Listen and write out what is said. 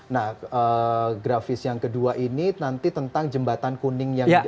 nah grafis yang kedua ini nanti tentang jembatan kuning yang